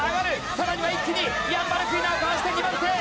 さらには一気にヤンバルクイナをかわして２番手！